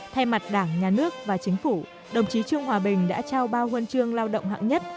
thay mặt đảng nhà nước và chính phủ đồng chí trương hòa bình đã trao ba huân chương lao động hạng nhất